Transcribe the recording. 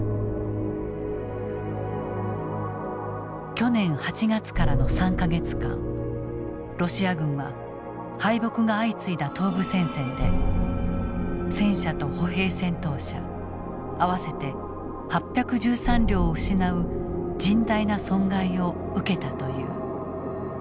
去年８月からの３か月間ロシア軍は敗北が相次いだ東部戦線で戦車と歩兵戦闘車合わせて８１３両を失う甚大な損害を受けたという。